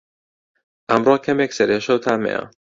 ئەمڕۆ کەمێک سەرئێشه و تام هەیە